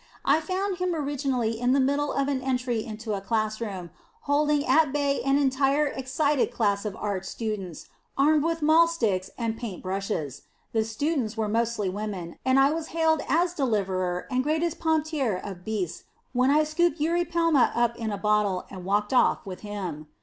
I found him originally in the middle of an entry into a classroom, holding at bay an entire excited class of art students armed with mahl sticks and paint brushes. The students were mostly women, and I was hailed as deliverer and greatest dompteur of beasts when I scooped Eurypelma up in a bottle and walked off with him.